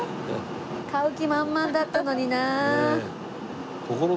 買う気満々だったのになあ。